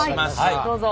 どうぞ。